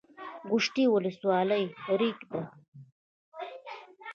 ګوشتې ولسوالۍ ریګي ده؟